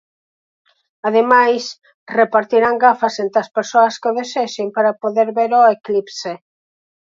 Ademais repartirán gafas entre as persoas que o desexen para poder ver o eclipse.